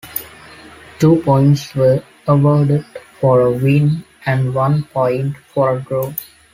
Two points were awarded for a win and one point for a draw.